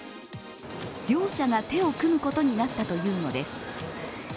両者が手を組むことになったというのです。